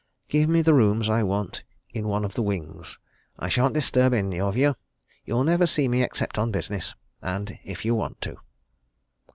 Give me the rooms I want in one of the wings. I shan't disturb any of you. You'll never see me except on business and if you want to."